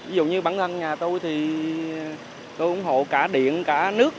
ví dụ như bản ngân nhà tôi thì tôi ủng hộ cả điện cả nước